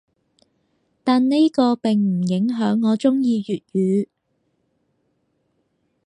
但呢個並唔影響我中意粵語‘